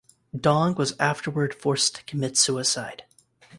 Dong was afterward forced to commit suicide.